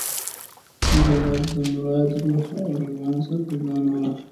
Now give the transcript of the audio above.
د مراد روح او روان سرګردانه و.